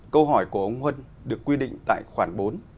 câu hỏi của ông huân được quy định tại khoản bốn